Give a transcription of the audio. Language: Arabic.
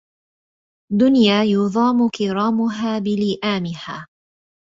دنيا يضام كرامها بلئامها